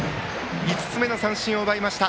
５つ目の三振を奪いました。